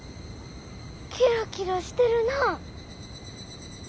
キラキラしてるな。